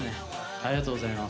ありがとうございます。